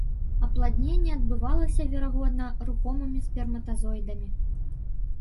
Апладненне адбывалася, верагодна, рухомымі сперматазоідамі.